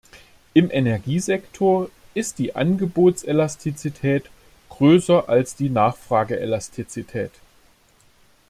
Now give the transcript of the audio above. Im Energiesektor ist die Angebotselastizität größer als die Nachfrageelastizität.